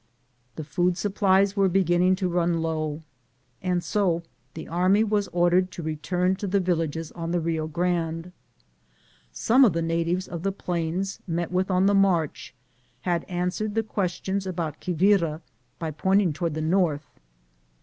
The food supplies were beginning to ran low, and so the army was ordered to return to the villages on the Bio Grande. Some of the natives of the plains, met with on the march, had answered the questions about Quivira by pointing to ward the north.